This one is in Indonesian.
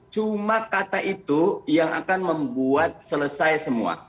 cuma kata itu yang akan membuat selesai semua